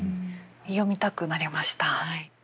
読みたくなりました。